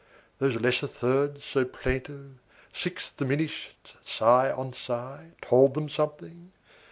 Those lesser thirds° so plaintive, sixths° diminished sigh on sigh, °19 Told them something?